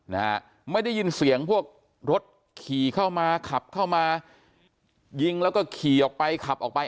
นะฮะไม่ได้ยินเสียงพวกรถขี่เข้ามาขับเข้ามายิงแล้วก็ขี่ออกไปขับออกไป